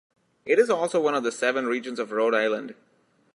It is also one of the seven regions of Rhode Island.